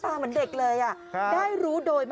เฮ่ยร้องเป็นเด็กเลยอ่ะภรรยาเซอร์ไพรส์สามีแบบนี้ค่ะ